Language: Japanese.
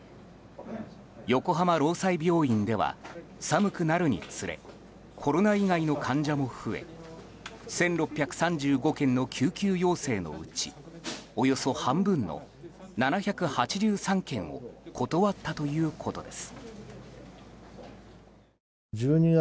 横浜労災病院では寒くなるにつれコロナ以外の患者も増え１６３５件の救急要請のうちおよそ半分の７８３件を断ったということです。